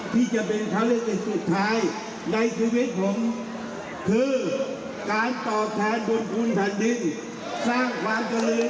ดีไหม